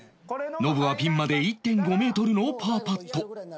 ノブはピンまで １．５ メートルのパーパット